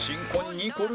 ニコル！